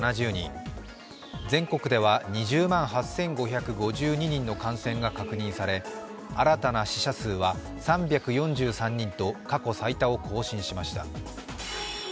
全国では２０万８５５２人の感染が確認され新たな死者数は３４３人と過去最多を更新しました。